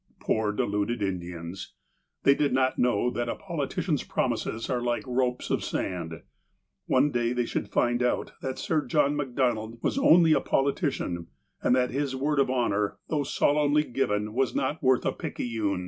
Poor, deluded Indians ! They did not know that a politician's promises are like ropes of sand. One day they should find out that Sir John Macdonald was only a politician, and that his word of honour, though solemnly given, was not worth a picayune.